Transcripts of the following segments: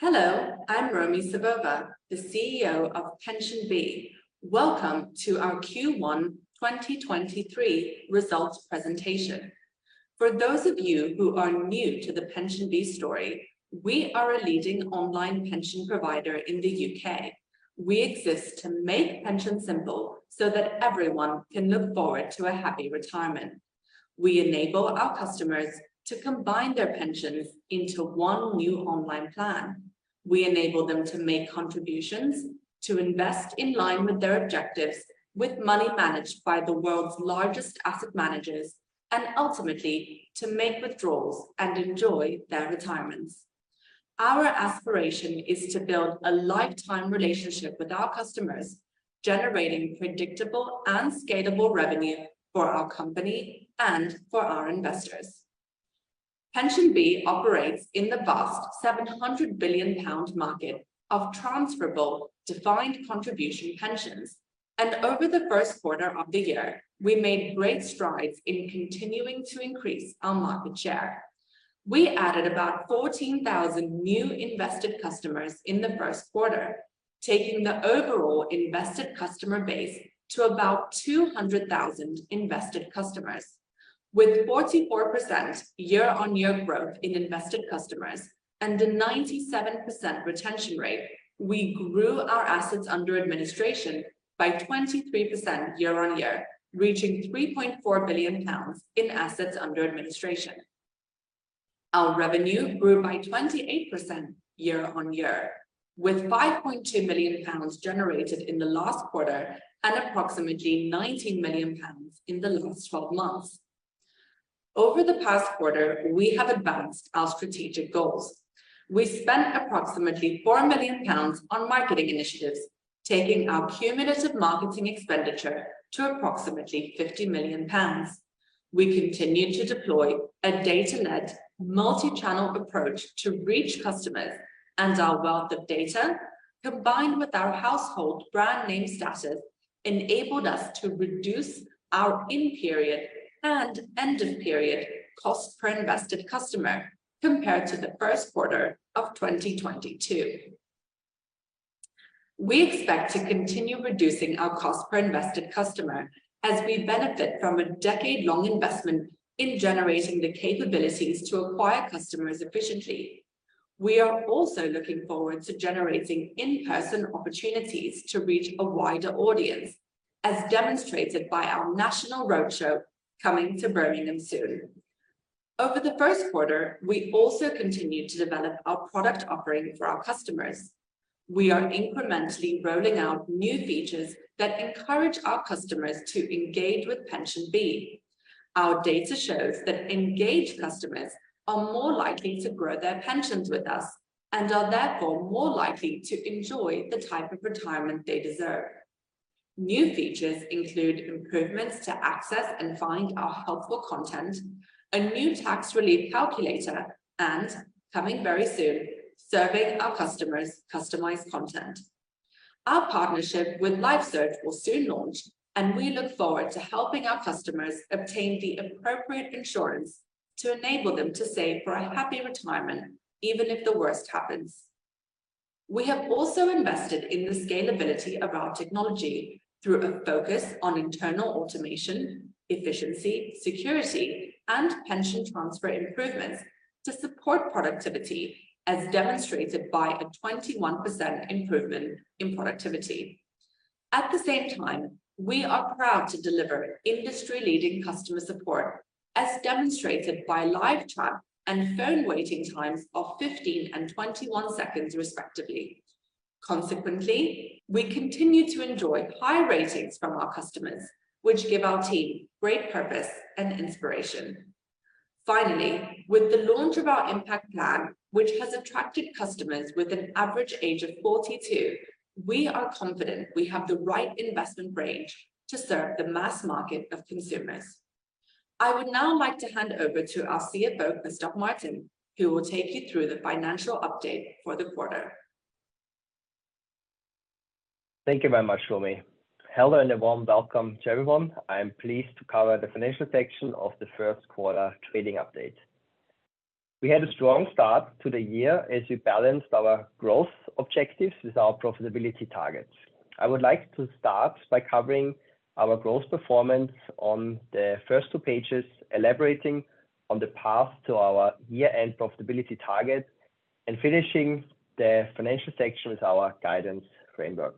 Hello, I'm Romi Savova, the CEO of PensionBee. Welcome to our Q1 2023 results presentation. For those of you who are new to the PensionBee story, we are a leading online pension provider in the U.K. We exist to make pensions simple so that everyone can look forward to a happy retirement. We enable our customers to combine their pensions into one new online plan. We enable them to make contributions, to invest in line with their objectives, with money managed by the world's largest asset managers, and ultimately to make withdrawals and enjoy their retirements. Our aspiration is to build a lifetime relationship with our customers, generating predictable and scalable revenue for our company and for our investors. PensionBee operates in the vast 700 billion pound market of transferable defined contribution pensions. Over the first quarter of the year, we made great strides in continuing to increase our market share. We added about 14,000 new invested customers in the first quarter, taking the overall invested customer base to about 200,000 invested customers. With 44% year-on-year growth in invested customers and a 97% retention rate, we grew our assets under administration by 23% year-on-year, reaching 3.4 billion pounds in assets under administration. Our revenue grew by 28% year-on-year, with 5.2 million pounds generated in the last quarter and approximately 19 million pounds in the last 12 months. Over the past quarter, we have advanced our strategic goals. We spent approximately 4 million pounds on marketing initiatives, taking our cumulative marketing expenditure to approximately 50 million pounds. We continue to deploy a data-led multi-channel approach to reach customers and our wealth of data, combined with our household brand name status, enabled us to reduce our in-period and end-of-period cost per invested customer compared to the first quarter of 2022. We expect to continue reducing our cost per invested customer as we benefit from a decade-long investment in generating the capabilities to acquire customers efficiently. We are also looking forward to generating in-person opportunities to reach a wider audience, as demonstrated by our national road show coming to Birmingham soon. Over the first quarter, we also continued to develop our product offering for our customers. We are incrementally rolling out new features that encourage our customers to engage with PensionBee. Our data shows that engaged customers are more likely to grow their pensions with us and are therefore more likely to enjoy the type of retirement they deserve. New features include improvements to access and find our helpful content, a new tax relief calculator, and coming very soon, serving our customers customized content. Our partnership with LifeSearch will soon launch, and we look forward to helping our customers obtain the appropriate insurance to enable them to save for a happy retirement, even if the worst happens. We have also invested in the scalability of our technology through a focus on internal automation, efficiency, security, and pension transfer improvements to support productivity, as demonstrated by a 21% improvement in productivity. At the same time, we are proud to deliver industry-leading customer support, as demonstrated by live chat and phone waiting times of 15 and 21 seconds, respectively. We continue to enjoy high ratings from our customers, which give our team great purpose and inspiration. With the launch of our Impact Plan, which has attracted customers with an average age of 42, we are confident we have the right investment range to serve the mass market of consumers. I would now like to hand over to our CFO, Christoph Martin, who will take you through the financial update for the quarter. Thank you very much, Romi. Hello and a warm welcome to everyone. I am pleased to cover the financial section of the first quarter trading update. We had a strong start to the year as we balanced our growth objectives with our profitability targets. I would like to start by covering our growth performance on the first two pages, elaborating on the path to our year-end profitability target and finishing the financial section with our guidance framework.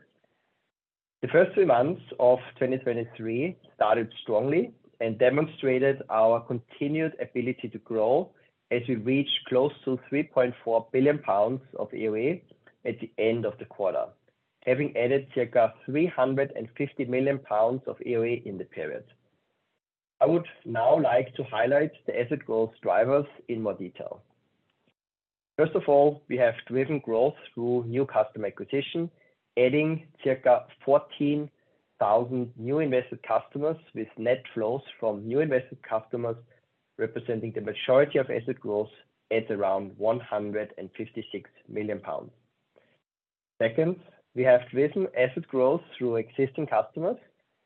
The first three months of 2023 started strongly and demonstrated our continued ability to grow as we reached close to 3.4 billion pounds of AUA at the end of the quarter, having added circa 350 million pounds of AUA in the period. I would now like to highlight the asset growth drivers in more detail. First of all, we have driven growth through new customer acquisition, adding circa 14,000 new invested customers with net flows from new invested customers representing the majority of asset growth at around 156 million pounds. Second, we have driven asset growth through existing customers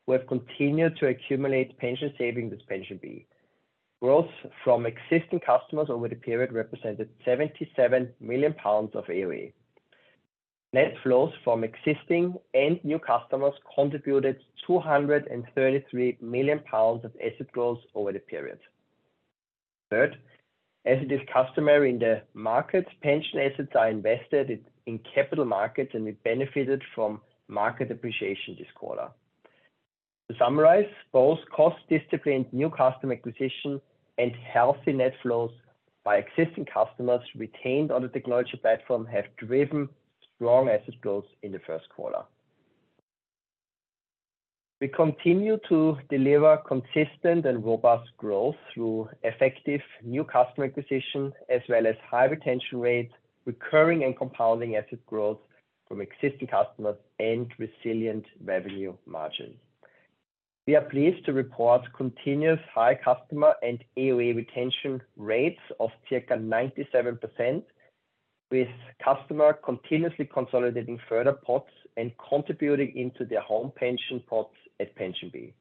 who have continued to accumulate pension saving with PensionBee. Growth from existing customers over the period represented 77 million pounds of AUA. Net flows from existing and new customers contributed 233 million pounds of asset growth over the period. Third, as it is customary in the markets, pension assets are invested in capital markets. We benefited from market appreciation this quarter. To summarize, both cost discipline, new customer acquisition, and healthy net flows by existing customers retained on the technology platform have driven strong asset growth in the first quarter. We continue to deliver consistent and robust growth through effective new customer acquisition as well as high retention rate, recurring and compounding asset growth from existing customers, and resilient revenue margin. We are pleased to report continuous high customer and AUA retention rates of circa 97% with customer continuously consolidating further pots and contributing into their home pension pots at PensionBee.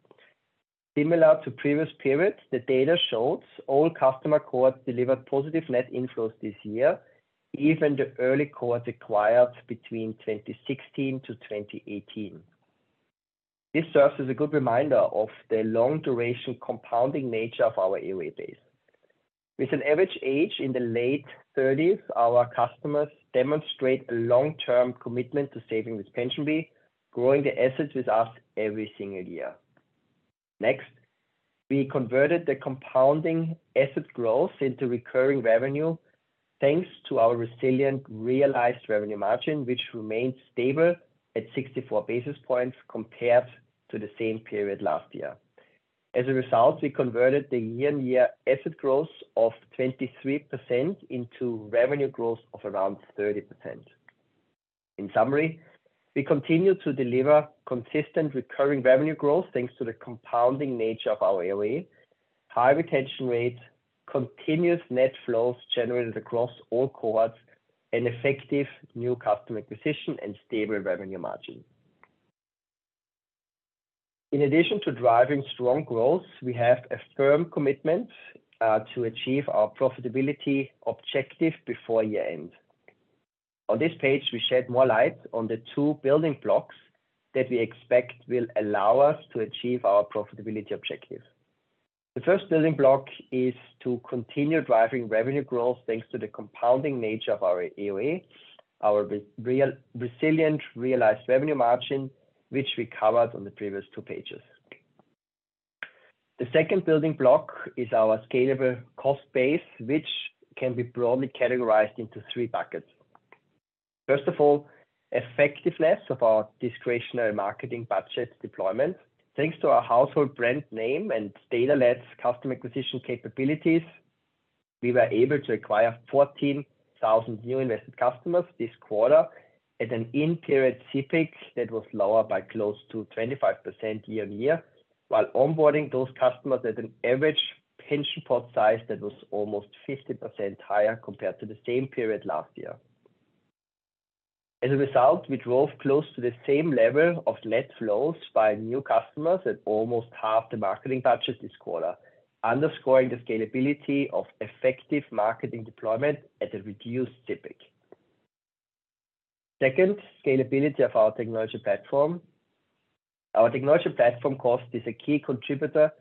Similar to previous periods, the data shows all customer cohorts delivered positive net inflows this year, even the early cohorts acquired between 2016-2018. This serves as a good reminder of the long duration compounding nature of our AUA base. With an average age in the late thirties, our customers demonstrate a long-term commitment to saving with PensionBee, growing their assets with us every single year. We converted the compounding asset growth into recurring revenue thanks to our resilient realized Revenue Margin, which remained stable at 64 basis points compared to the same period last year. We converted the year-on-year asset growth of 23% into revenue growth of around 30%. We continue to deliver consistent recurring revenue growth thanks to the compounding nature of our AUA, high retention rate, continuous net flows generated across all cohorts, and effective new customer acquisition, and stable Revenue Margin. We have a firm commitment to achieve our profitability objective before year-end. We shed more light on the two building blocks that we expect will allow us to achieve our profitability objective. The first building block is to continue driving revenue growth thanks to the compounding nature of our AUA, our resilient realized revenue margin, which we covered on the previous two pages. The second building block is our scalable cost base, which can be broadly categorized into three buckets. Effectiveness of our discretionary marketing budget deployment. Thanks to our household brand name and data-led customer acquisition capabilities, we were able to acquire 14,000 new invested customers this quarter at an in-period CPIC that was lower by close to 25% year-on-year, while onboarding those customers at an average pension pot size that was almost 50% higher compared to the same period last year. We drove close to the same level of net flows by new customers at almost half the marketing budget this quarter, underscoring the scalability of effective marketing deployment at a reduced CPIC. Scalability of our technology platform. Our technology platform cost is a key contributor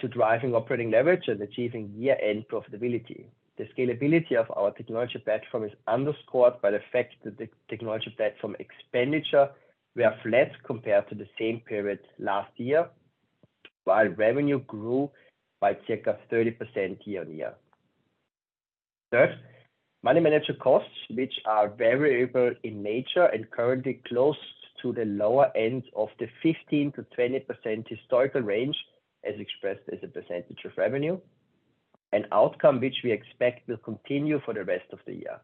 to driving operating leverage and achieving year-end profitability. The scalability of our technology platform is underscored by the fact that the technology platform expenditure were flat compared to the same period last year, while revenue grew by circa 30% year-over-year. Money management costs, which are variable in nature and currently close to the lower end of the 15%-20% historical range as expressed as a percentage of revenue, an outcome which we expect will continue for the rest of the year.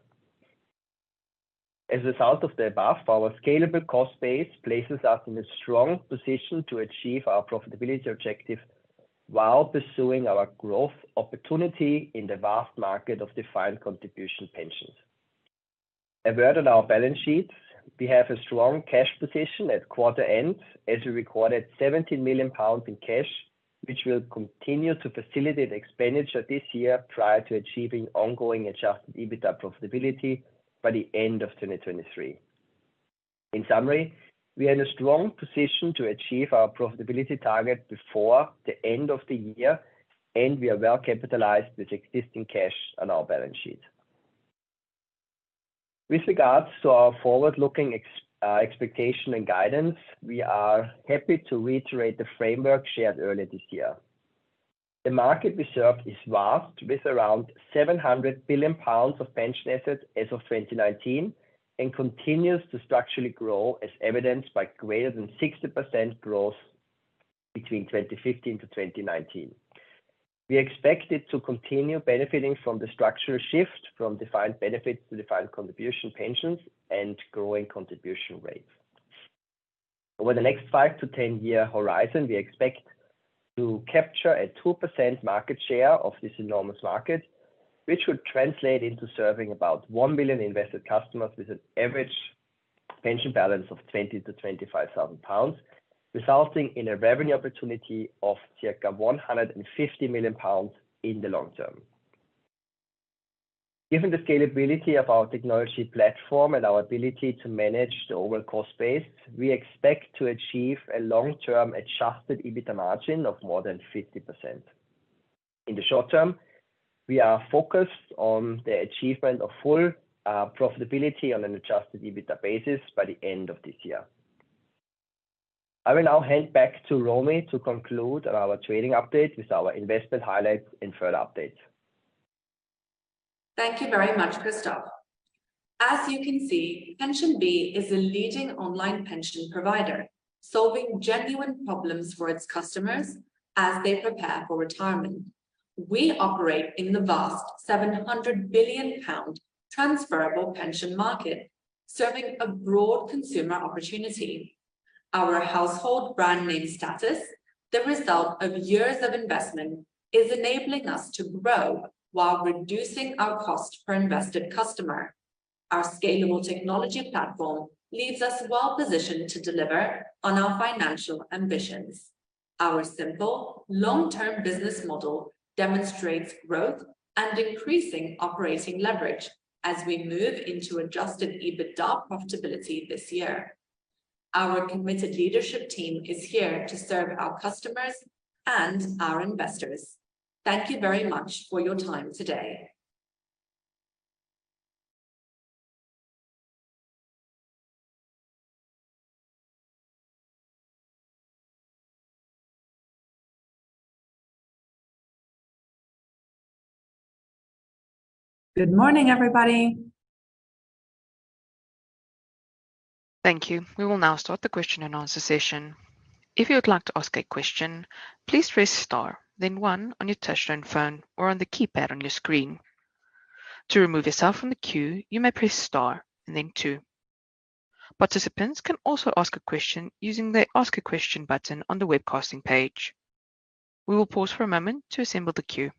As a result of the above, our scalable cost base places us in a strong position to achieve our profitability objective while pursuing our growth opportunity in the vast market of defined contribution pensions. A word on our balance sheet. We have a strong cash position at quarter end as we recorded 17 million pounds in cash, which will continue to facilitate expenditure this year prior to achieving ongoing adjusted EBITDA profitability by the end of 2023. In summary, we are in a strong position to achieve our profitability target before the end of the year, and we are well capitalized with existing cash on our balance sheet. With regards to our forward-looking expectation and guidance, we are happy to reiterate the framework shared earlier this year. The market we serve is vast with around 700 billion pounds of pension assets as of 2019 and continues to structurally grow as evidenced by greater than 60% growth between 2015 to 2019. We expect it to continue benefiting from the structural shift from defined benefit to defined contribution pensions and growing contribution rates. Over the next 5 to 10 year horizon, we expect to capture a 2% market share of this enormous market, which would translate into serving about 1 million invested customers with an average pension balance of 20,000-25,000 pounds, resulting in a revenue opportunity of circa 150 million pounds in the long term. Given the scalability of our technology platform and our ability to manage the overall cost base, we expect to achieve a long-term adjusted EBITDA margin of more than 50%. In the short term, we are focused on the achievement of full profitability on an adjusted EBITDA basis by the end of this year. I will now hand back to Romi to conclude our trading update with our investment highlights and further updates. Thank you very much, Christoph. As you can see, PensionBee is a leading online pension provider, solving genuine problems for its customers as they prepare for retirement. We operate in the vast 700 billion pound transferable pension market, serving a broad consumer opportunity. Our household brand name status, the result of years of investment, is enabling us to grow while reducing our cost per invested customer. Our scalable technology platform leaves us well positioned to deliver on our financial ambitions. Our simple long-term business model demonstrates growth and increasing operating leverage as we move into adjusted EBITDA profitability this year. Our committed leadership team is here to serve our customers and our investors. Thank you very much for your time today. Good morning, everybody. Thank you. We will now start the question and answer session. If you would like to ask a question, please press star then one on your touch-tone phone or on the keypad on your screen. To remove yourself from the queue, you may press star and then two. Participants can also ask a question using the Ask a Question button on the webcasting page. We will pause for a moment to assemble the queue.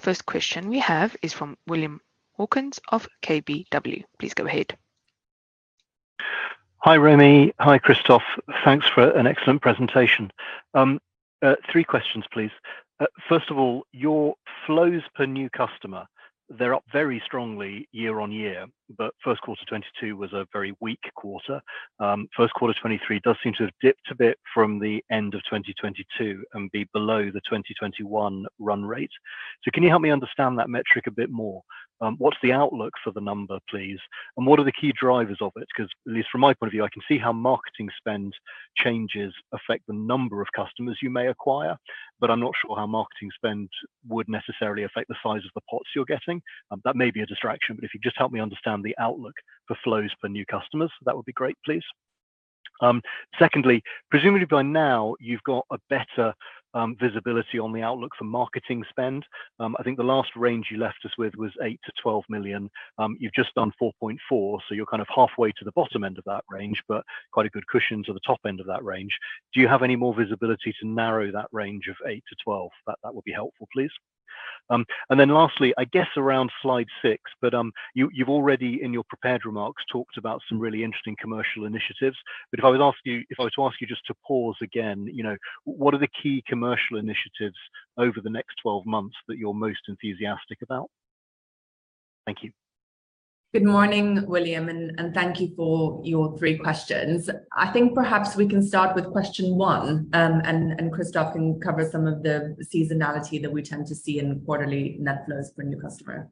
The first question we have is from William Hawkins of KBW. Please go ahead. Hi, Romy. Hi, Christoph. Thanks for an excellent presentation. Three questions, please. First of all, your flows per new customer, they're up very strongly year on year, but first quarter 2022 was a very weak quarter. First quarter 2023 does seem to have dipped a bit from the end of 2022 and be below the 2021 run rate. Can you help me understand that metric a bit more? What's the outlook for the number, please? What are the key drivers of it? 'Cause at least from my point of view, I can see how marketing spend changes affect the number of customers you may acquire, but I'm not sure how marketing spend would necessarily affect the size of the pots you're getting. That may be a distraction. If you just help me understand the outlook for flows for new customers, that would be great, please. Secondly, presumably by now you've got a better visibility on the outlook for marketing spend. I think the last range you left us with was 8 million-12 million. You've just done 4.4 million, so you're kind of halfway to the bottom end of that range, but quite a good cushion to the top end of that range. Do you have any more visibility to narrow that range of 8-12? That would be helpful, please. Lastly, I guess around slide six, you've already in your prepared remarks, talked about some really interesting commercial initiatives. If I was to ask you just to pause again, you know, what are the key commercial initiatives over the next 12 months that you're most enthusiastic about? Thank you. Good morning, William, and thank you for your three questions. I think perhaps we can start with question one, and Christoph can cover some of the seasonality that we tend to see in quarterly net flows for a new customer.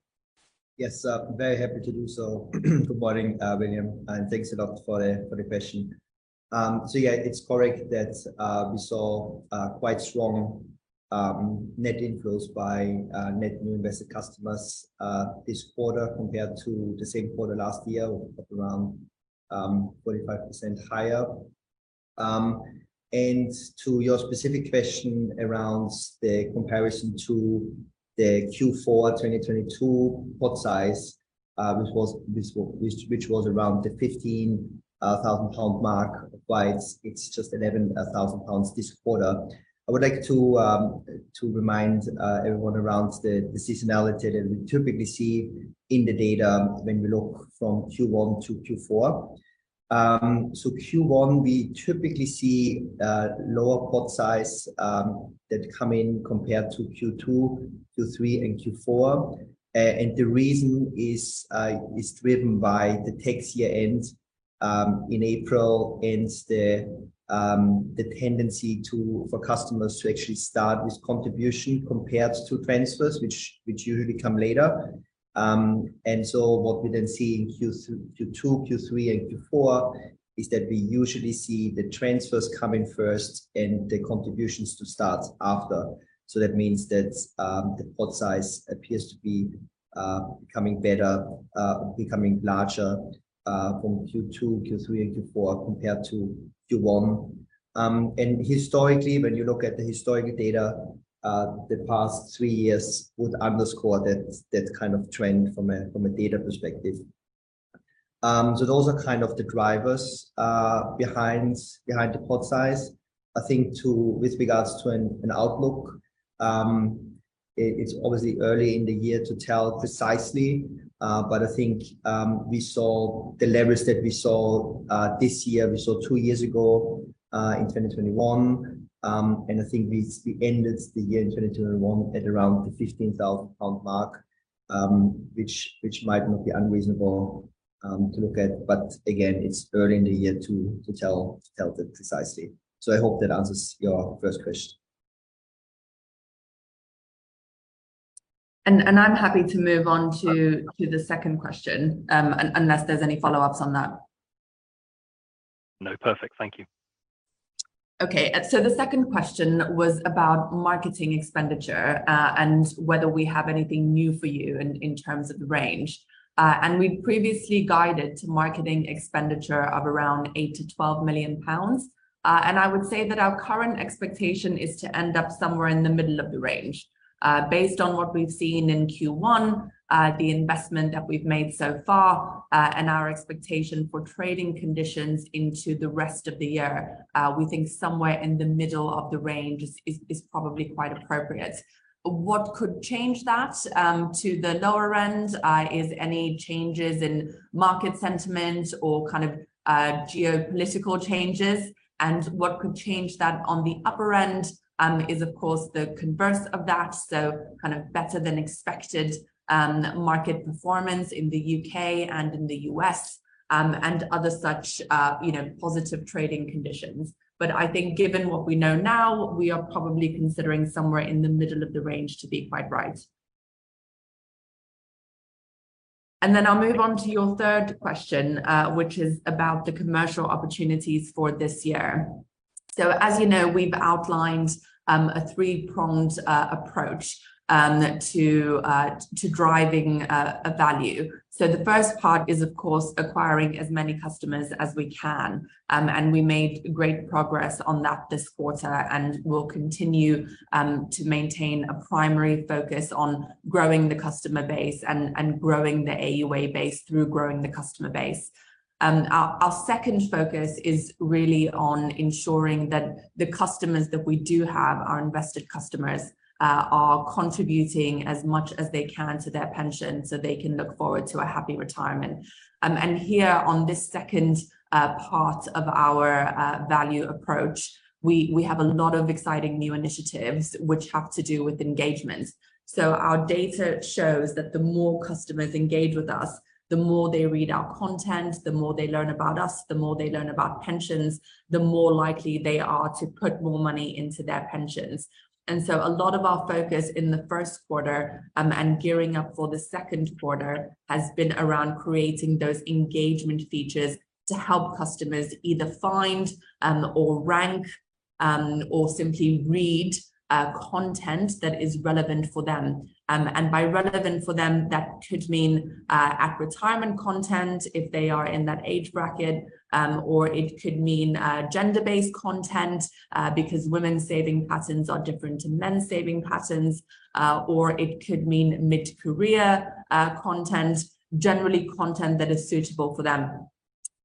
Yes. Very happy to do so. Good morning, William, and thanks a lot for the question. Yeah, it's correct that we saw quite strong net inflows by net new invested customers this quarter compared to the same quarter last year of around 45% higher. And to your specific question around the comparison to the Q4 2022 pot size, which was around the 15,000 pound mark, while it's just 11,000 pounds this quarter. I would like to remind everyone around the seasonality that we typically see in the data when we look from Q1 to Q4. Q1, we typically see lower pot size that come in compared to Q2, Q3, and Q4. The reason is driven by the tax year end, in April, and the tendency fer customers to actually start with contribution compared to transfers, which usually come later. What we then see in Q2, Q3, and Q4 is that we usually see the transfers coming first and the contributions to start after. That means that the pot size appears to be becoming better, becoming larger, from Q2, Q3, and Q4 compared to Q1. Historically, when you look at the historic data, the past three years would underscore that kind of trend from a data perspective. Those are kind of the drivers behind the pot size. I think to, with regards to an outlook, it's obviously early in the year to tell precisely. I think we saw the leverage that we saw this year, we saw two years ago in 2021. I think we ended the year in 2021 at around the 15,000 pound mark, which might not be unreasonable to look at. Again, it's early in the year to tell that precisely. I hope that answers your first question. I'm happy to move on to the second question, unless there's any follow-ups on that. No. Perfect. Thank you. Okay. The second question was about marketing expenditure, and whether we have anything new for you in terms of the range. We previously guided to marketing expenditure of around 8 million-12 million pounds. I would say that our current expectation is to end up somewhere in the middle of the range. Based on what we've seen in Q1, the investment that we've made so far, and our expectation for trading conditions into the rest of the year, we think somewhere in the middle of the range is probably quite appropriate. What could change that to the lower end is any changes in market sentiment or kind of geopolitical changes. What could change that on the upper end, is of course the converse of that, so kind of better than expected, market performance in the U.K. and in the U.S., and other such, you know, positive trading conditions. I think given what we know now, we are probably considering somewhere in the middle of the range to be quite right. I'll move on to your third question, which is about the commercial opportunities for this year. As you know, we've outlined a three-pronged approach to driving a value. The first part is, of course, acquiring as many customers as we can. We made great progress on that this quarter and will continue to maintain a primary focus on growing the customer base and growing the AUA base through growing the customer base. Our, our second focus is really on ensuring that the customers that we do have are invested customers, are contributing as much as they can to their pension so they can look forward to a happy retirement. Here on this second part of our value approach, we have a lot of exciting new initiatives which have to do with engagement. Our data shows that the more customers engage with us, the more they read our content, the more they learn about us, the more they learn about pensions, the more likely they are to put more money into their pensions. A lot of our focus in the first quarter, and gearing up for the second quarter has been around creating those engagement features to help customers either find, or rank, or simply read, content that is relevant for them. By relevant for them, that could mean, at retirement content if they are in that age bracket. Or it could mean, gender-based content, because women's saving patterns are different to men's saving patterns. Or it could mean mid-career, content, generally content that is suitable for them.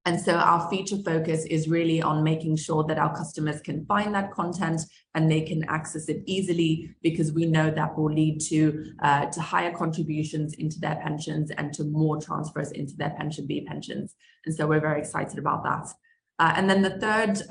Our feature focus is really on making sure that our customers can find that content and they can access it easily because we know that will lead to higher contributions into their pensions and to more transfers into their PensionBee pensions. We're very excited about that. Then the third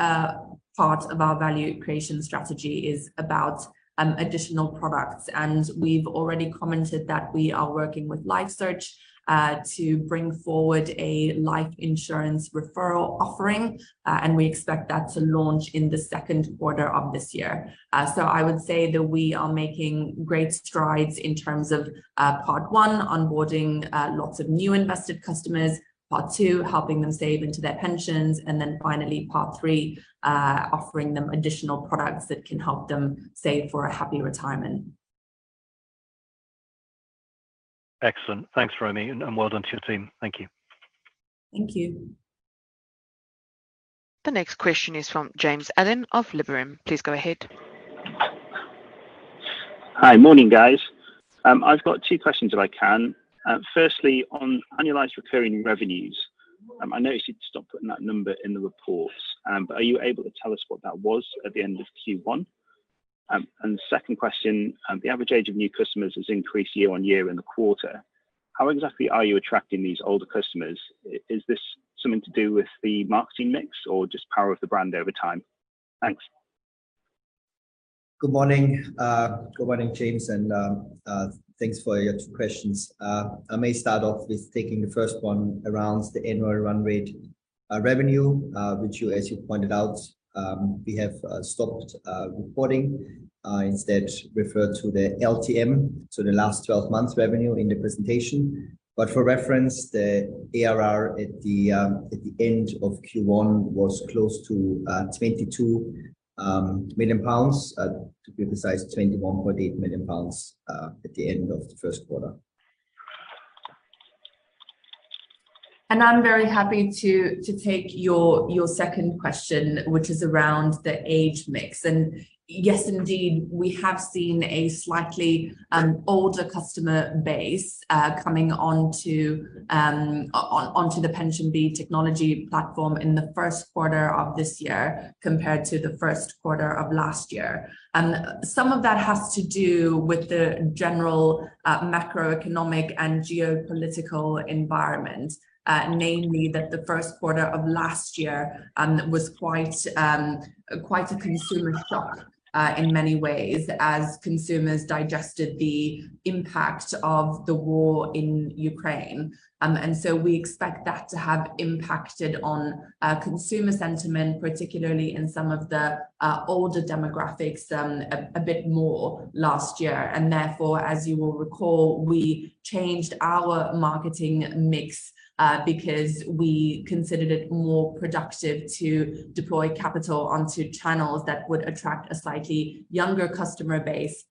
part of our value creation strategy is about additional products. We've already commented that we are working with LifeSearch to bring forward a life insurance referral offering, and we expect that to launch in the second quarter of this year. I would say that we are making great strides in terms of part one, onboarding lots of new invested customers, part two, helping them save into their pensions, and then finally part three, offering them additional products that can help them save for a happy retirement. Excellent. Thanks, Romi Savova, and well done to your team. Thank you. Thank you. The next question is from James Allen of Liberum. Please go ahead. Hi. Morning, guys. I've got two questions if I can. Firstly, on annualized recurring revenues, I noticed you'd stopped putting that number in the reports. Are you able to tell us what that was at the end of Q1? Second question, the average age of new customers has increased year on year in the quarter. How exactly are you attracting these older customers? Is this something to do with the marketing mix or just power of the brand over time? Thanks. Good morning. Good morning, James, and thanks for your two questions. I may start off with taking the first one around the annual run rate revenue, which you, as you pointed out, we have stopped reporting, instead referred to the LTM, so the last 12 months revenue in the presentation. For reference, the ARR at the end of Q1 was close to 22 million pounds, to be precise, 21.8 million pounds, at the end of the first quarter. I'm very happy to take your second question, which is around the age mix. Yes, indeed, we have seen a slightly older customer base coming onto the PensionBee technology platform in the first quarter of this year compared to the first quarter of last year. Some of that has to do with the general macroeconomic and geopolitical environment, namely that the first quarter of last year was quite a consumer shock in many ways as consumers digested the impact of the war in Ukraine. We expect that to have impacted on consumer sentiment, particularly in some of the older demographics a bit more last year. Therefore, as you will recall, we changed our marketing mix, because we considered it more productive to deploy capital onto channels that would attract a slightly younger customer base,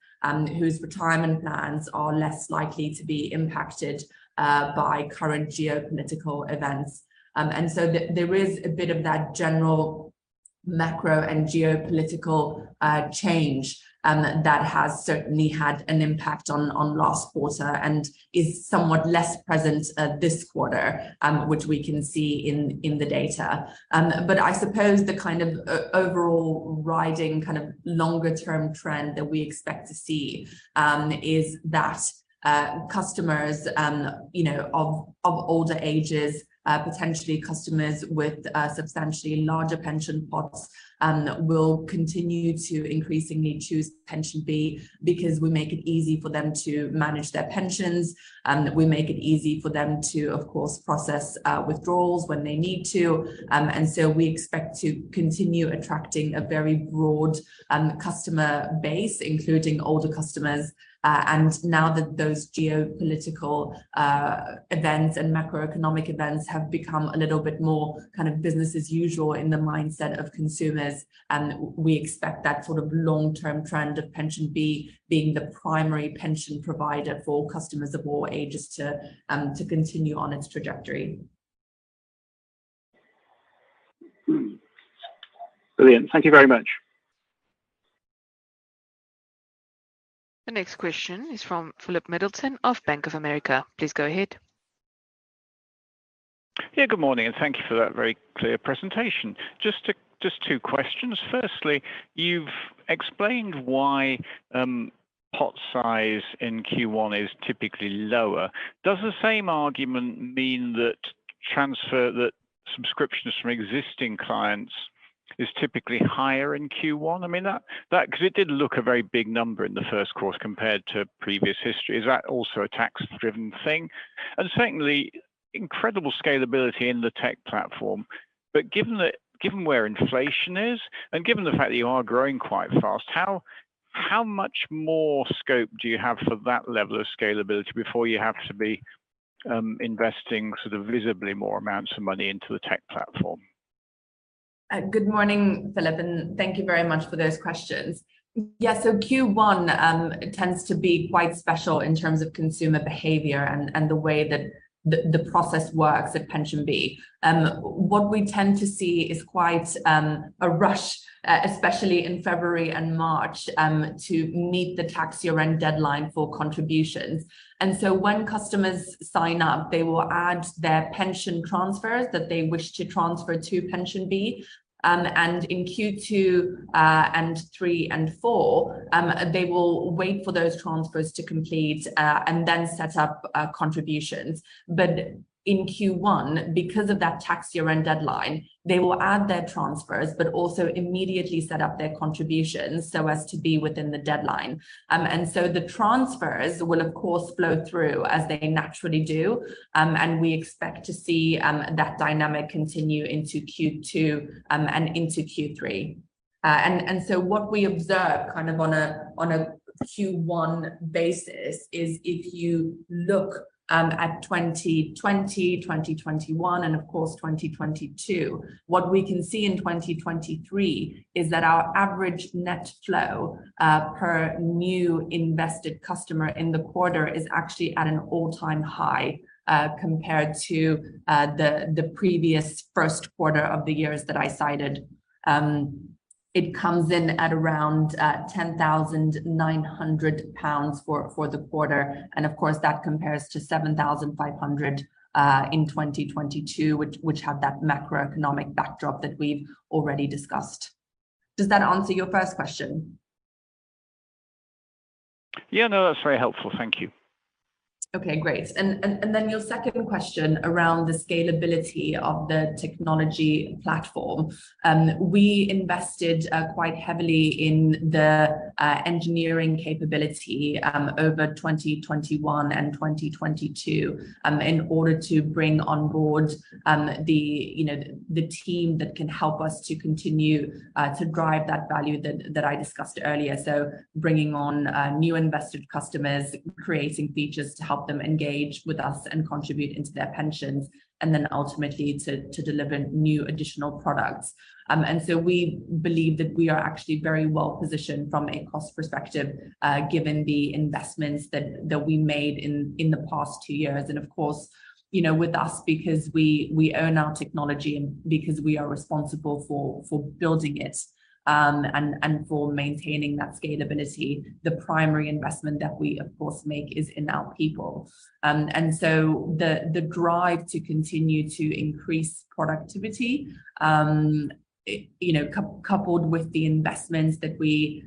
whose retirement plans are less likely to be impacted by current geopolitical events. There is a bit of that general macro and geopolitical change that has certainly had an impact on last quarter and is somewhat less present this quarter, which we can see in the data. I suppose the kind of overall riding kind of longer term trend that we expect to see is that customers, you know, of older ages, potentially customers with substantially larger pension pots, will continue to increasingly choose PensionBee because we make it easy for them to manage their pensions. We make it easy for them to, of course, process withdrawals when they need to. We expect to continue attracting a very broad customer base, including older customers. Now that those geopolitical events and macroeconomic events have become a little bit more kind of business as usual in the mindset of consumers, we expect that sort of long-term trend of PensionBee being the primary pension provider for customers of all ages to continue on its trajectory. Brilliant. Thank you very much. The next question is from Philip Middleton of Bank of America. Please go ahead. Yeah. Good morning, thank you for that very clear presentation. Just two questions. Firstly, you've explained why pot size in Q1 is typically lower. Does the same argument mean that transfer, that subscriptions from existing clients is typically higher in Q1? I mean, that 'cause it did look a very big number in the first quarter compared to previous history. Is that also a tax driven thing? Secondly, incredible scalability in the tech platform. Given that, given where inflation is and given the fact that you are growing quite fast, how much more scope do you have for that level of scalability before you have to be investing sort of visibly more amounts of money into the tech platform? Good morning, Philip, thank you very much for those questions. Q1 tends to be quite special in terms of consumer behavior and the way that the process works at PensionBee. What we tend to see is quite a rush, especially in February and March, to meet the tax year-end deadline for contributions. When customers sign up, they will add their pension transfers that they wish to transfer to PensionBee. In Q2, and three and four, they will wait for those transfers to complete, and then set up contributions. In Q1, because of that tax year-end deadline, they will add their transfers, but also immediately set up their contributions so as to be within the deadline. The transfers will of course flow through as they naturally do. We expect to see that dynamic continue into Q2 and into Q3. What we observe kind of on a Q1 basis is if you look at 2020, 2021, and of course 2022, what we can see in 2023 is that our average net flow per new invested customer in the quarter is actually at an all-time high compared to the previous first quarter of the years that I cited. It comes in at around 10,900 pounds for the quarter, and of course, that compares to 7,500 in 2022, which had that macroeconomic backdrop that we've already discussed. Does that answer your first question? Yeah. No, that's very helpful. Thank you. Okay, great. Then your second question around the scalability of the technology platform. We invested quite heavily in the engineering capability over 2021 and 2022 in order to bring on board the, you know, the team that can help us to continue to drive that value that I discussed earlier. Bringing on new invested customers, creating features to help them engage with us and contribute into their pensions, and then ultimately to deliver new additional products. We believe that we are actually very well positioned from a cost perspective given the investments that we made in the past two years. Of course, you know, with us because we own our technology and because we are responsible for building it, and for maintaining that scalability, the primary investment that we of course make is in our people. The drive to continue to increase productivity, it, you know, coupled with the investments that we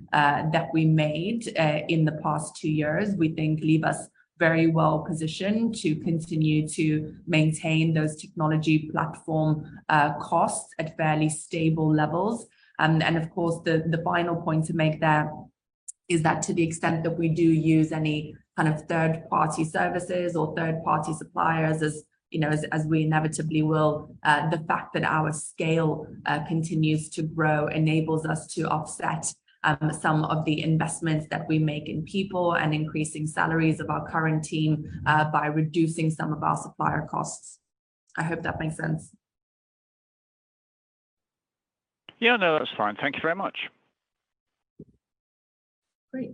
made in the past two years, we think leave us very well positioned to continue to maintain those technology platform, costs at fairly stable levels. Of course, the final point to make there is that to the extent that we do use any kind of third-party services or third-party suppliers as, you know, as we inevitably will, the fact that our scale continues to grow enables us to offset, some of the investments that we make in people and increasing salaries of our current team, by reducing some of our supplier costs. I hope that makes sense. Yeah. No, that's fine. Thank you very much. Great.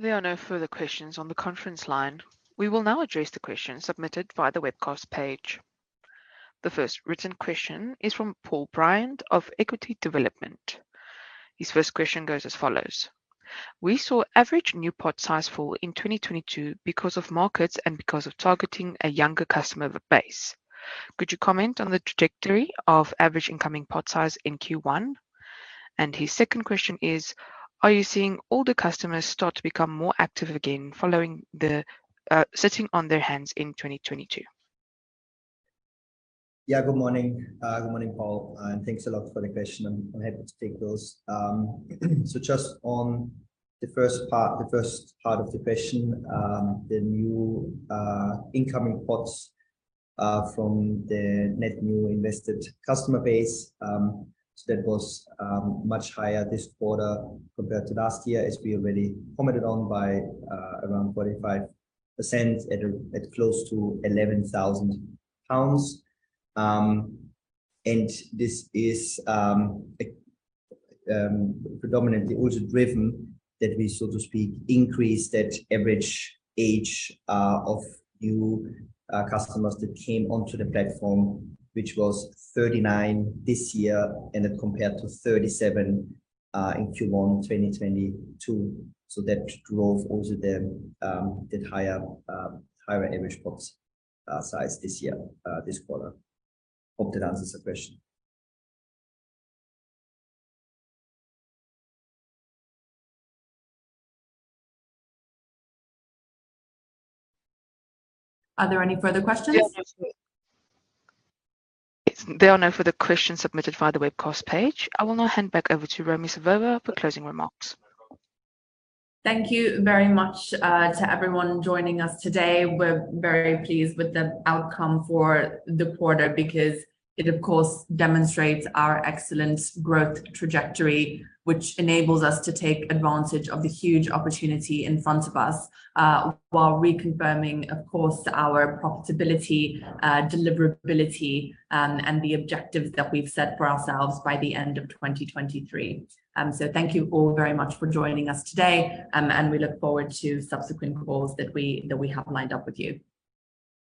There are no further questions on the conference line. We will now address the questions submitted via the webcast page. The first written question is from Paul Bryant of Equity Development. His first question goes as follows: We saw average new pot size fall in 2022 because of markets and because of targeting a younger customer base. Could you comment on the trajectory of average incoming pot size in Q1? His second question is, are you seeing older customers start to become more active again following the sitting on their hands in 2022? Yeah, good morning. Good morning, Paul, and thanks a lot for the question. I'm happy to take those. Just on the first part of the question, the new incoming pots from the net new invested customer base, that was much higher this quarter compared to last year, as we already commented on, by around 45% at close to 11,000 pounds. This is predominantly also driven that we, so to speak, increased that average age of new customers that came onto the platform, which was 39 this year, and then compared to 37 in Q1 2022. That drove also the that higher average pots size this year, this quarter. Hope that answers the question. Are there any further questions? There are no further questions submitted via the webcast page. I will now hand back over to Romi Savova for closing remarks. Thank you very much to everyone joining us today. We're very pleased with the outcome for the quarter because it of course demonstrates our excellent growth trajectory, which enables us to take advantage of the huge opportunity in front of us, while reconfirming, of course, our profitability, deliverability, and the objectives that we've set for ourselves by the end of 2023. Thank you all very much for joining us today, and we look forward to subsequent calls that we have lined up with you.